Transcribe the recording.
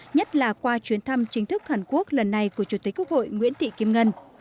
nhất là qua chuyến thăm chính thức hàn quốc lần này của chủ tịch quốc hội nguyễn thị kim ngân